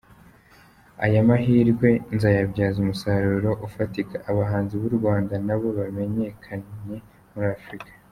Aya mahirwe nzayabyaza umusaruro ufatika, abahanzi b’u Rwanda nabo bamenyekanye muri Afurika”.